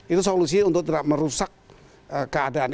itu solusi untuk tidak merusak keadaan